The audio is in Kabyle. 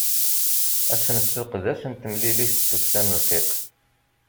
Ass n ssuq d ass n temlilit d tukksa n lxiq.